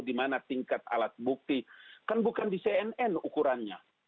di mana tingkat alat bukti kan bukan di cnn ukurannya